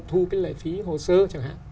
thu cái lệ phí hồ sơ chẳng hạn